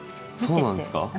そうなんですか？